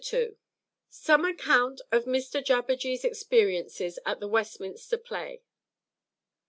II _Some account of Mr Jabberjee's experiences at the Westminster Play.